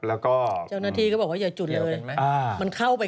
ซึ่งตอน๕โมง๔๕นะฮะทางหน่วยซิวได้มีการยุติการค้นหาที่